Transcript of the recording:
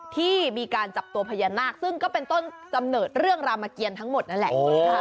ที่มีการจับตัวพญานาคซึ่งก็เป็นต้นกำเนิดเรื่องรามเกียรทั้งหมดนั่นแหละ